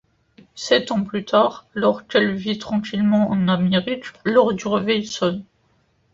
Sept ans plus tard, alors qu’elle vit tranquillement en Amérique, l’heure du réveil sonne.